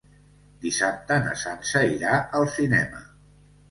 Dissabte na Sança irà al cinema.